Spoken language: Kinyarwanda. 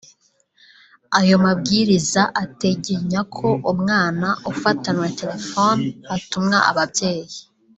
Ayo mabwiriza ategenya ko umwana ufatanywe telefoni atumwa ababyeyi